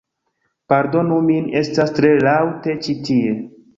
Pardonu min estas tre laŭte ĉi tie